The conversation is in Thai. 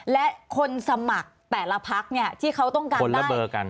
และคนสมัครแต่ละพักที่เขาต้องการได้เบอร์กัน